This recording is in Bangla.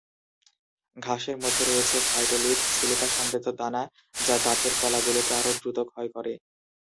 ঘাসের মধ্যে রয়েছে ফাইটোলিথ, সিলিকা সমৃদ্ধ দানা, যা দাঁতের কলাগুলোকে আরও দ্রুত ক্ষয় করে।